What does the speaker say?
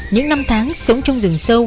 những năm tháng sống trong rừng sâu